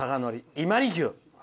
伊万里牛